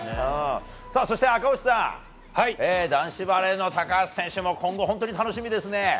そして赤星さん男子バレーの高橋選手も今後、本当に楽しみですね。